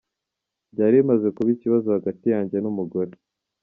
Byari bimaze kuba ikibazo hagati yanjye n’umugore.